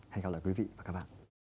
hẹn gặp lại quý vị và các bạn